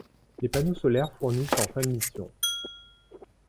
Les panneaux solaires fournissent en fin de mission.